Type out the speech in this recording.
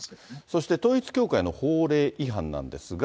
そして、統一教会の法令違反なんですが。